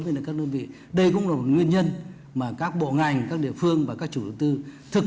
với các đơn vị đây cũng là một nguyên nhân mà các bộ ngành các địa phương và các chủ đầu tư thực